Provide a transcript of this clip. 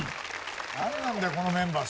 なんなんだよこのメンバー。